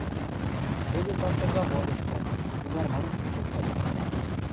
Кӹзӹт автозаводышкы, Угарманышкы, колтат.